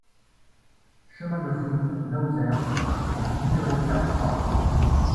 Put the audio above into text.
Chemin de Fount Laouzert au numéro quatre A